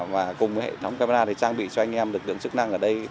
và cùng hệ thống camera để trang bị cho anh em lực lượng chức năng ở đây